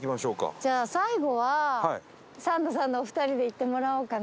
じゃあ最後はサンドさんのお二人で行ってもらおうかな。